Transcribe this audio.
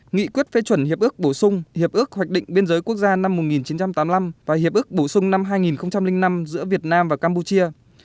nghị quyết phê chuẩn hiệp ước bổ sung hiệp ước hoạch định biên giới quốc gia năm một nghìn chín trăm tám mươi năm và hiệp ước bổ sung năm hai nghìn năm giữa việt nam và campuchia